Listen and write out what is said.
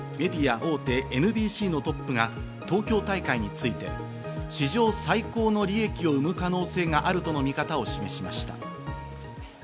大手ＮＢＣのトップが東京大会について史上最高の利益を生む可能性があるとの見方を示しました。